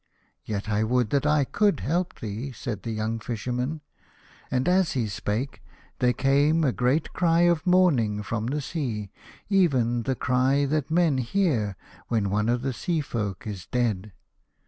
"Yet I would that I could help thee," said the young Fisherman. And as he spake there came a great cry of R i 2 1 A House of Pomegranates. mourning from the sea, even the cry that men hear when one of the Sea folk is dead.